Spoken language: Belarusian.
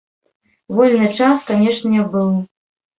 Вольны час, канечне, быў.